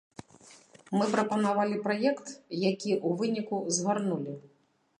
Мы прапанавалі праект, які ў выніку згарнулі.